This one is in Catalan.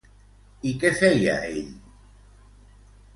I què feia ell?